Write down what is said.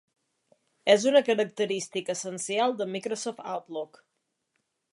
És una característica essencial de Microsoft Outlook.